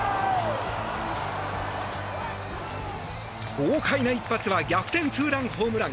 豪快な一発は逆転ツーランホームラン。